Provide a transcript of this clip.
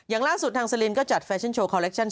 อย่างล่าสุดทางสลินก็จัดแฟชั่นโชว์คอลเลคชั่น